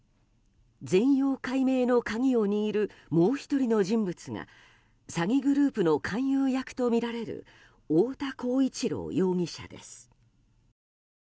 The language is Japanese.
全容解明の鍵を握るもう１人の人物が詐欺グループの勧誘役とみられる太田浩一朗容疑者です。